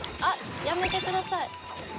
やめてください。